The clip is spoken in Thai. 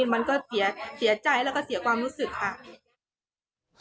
มันก็เสียใจแล้วก็เสียความรู้สึกค่ะ